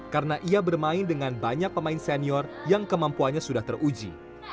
karena ia bermain dengan banyak pemain senior yang kemampuannya sudah teruji